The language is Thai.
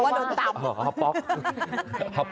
เพราะว่าโดนตำ